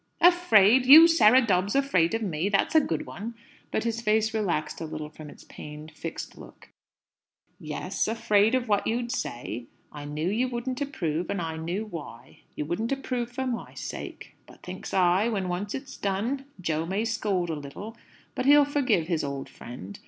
"Afraid! You, Sarah Dobbs, afraid of me! That's a good one!" But his face relaxed a little from its pained, fixed look. "Yes; afraid of what you'd say. I knew you wouldn't approve, and I knew why. You wouldn't approve for my sake. But, thinks I, when once it's done, Jo may scold a little, but he'll forgive his old friend.